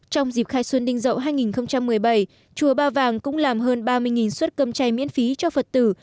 trong dịp khai xuân đinh dậu hai nghìn một mươi bảy chùa ba vàng cũng làm hơn ba mươi suất cơm chay miễn phí cho phật tử